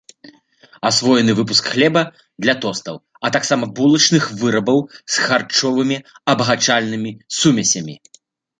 Асвоены выпуск хлеба для тостаў, а таксама булачных вырабаў з харчовымі абагачальнымі сумесямі.